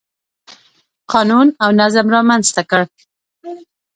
قانون او نظم رامنځته کړ.